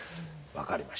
分かりました。